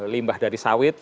limbah dari sawit